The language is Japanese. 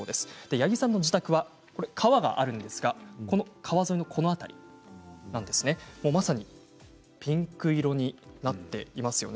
八木さんの自宅は川があるんですが川沿いの、この辺りまさにピンク色になっていますよね。